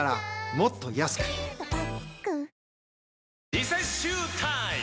リセッシュータイム！